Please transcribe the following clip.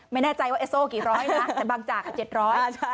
ไม่แน่ใจว่าเอโซกี่ร้อยนะแต่บางจากก็เจ็ดร้อย